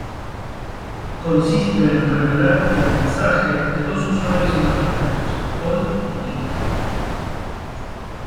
Consiste en revelar el mensaje de dos usuarios imaginarios Paul y Nick.